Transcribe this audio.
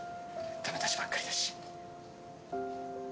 だめ出しばっかりだし。